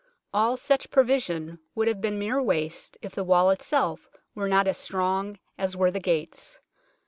All such provision would have been mere waste if the wall itself were not as strong as were the gates.